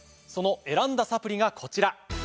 その選んだサプリがこちら。